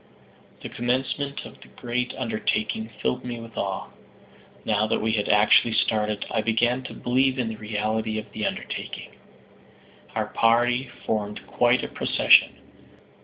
The commencement of the great undertaking filled me with awe. Now that we had actually started, I began to believe in the reality of the undertaking! Our party formed quite a procession.